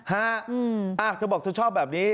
ห้าถ้าเธอบอกเธอชอบแบบนี้